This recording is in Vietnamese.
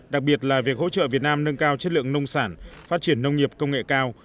đặc biệt là việc hỗ trợ việt nam nâng cao chất lượng nông sản phát triển nông nghiệp công nghệ cao